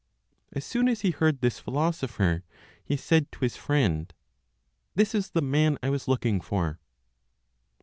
As soon as he heard this philosopher, he said to his friend, "This is the man I was looking for!"